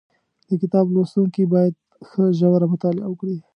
د کتاب لوستونکي باید ښه ژوره مطالعه وکړي